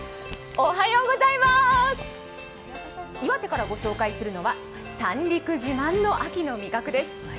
岩手からご紹介するのは三陸自慢の秋の味覚です。